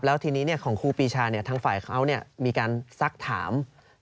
แล้วทีนี้ของครูปีชาทางฝ่ายเขามีการซักถาม